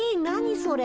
それ。